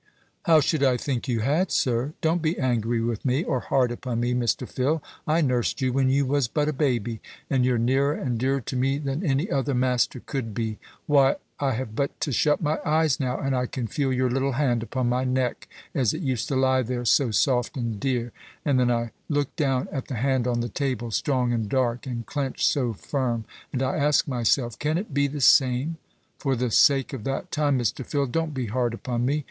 "How should I think you had, sir? Don't be angry with me, or hard upon me, Mr. Phil. I nursed you when you was but a baby, and you're nearer and dearer to me than any other master could be. Why, I have but to shut my eyes now, and I can feel your little hand upon my neck, as it used to lie there, so soft and dear. And then I look down at the hand on the table, strong and dark, and clenched so firm, and I ask myself, Can it be the same? For the sake of that time, Mr. Phil, don't be hard upon me.